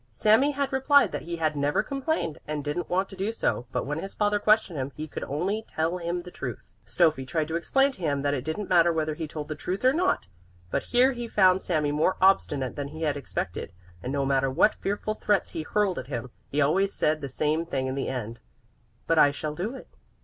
Sami had replied that he had never complained and didn't want to do so, but when his father questioned him he could only tell him the truth. Stöffi tried to explain to him that it didn't matter whether he told the truth or not, but here he found Sami more obstinate than he had expected, and no matter what fearful threats he hurled at him, he always said the same thing in the end: "But I shall do it."